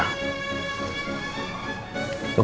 lo berani melakukan itu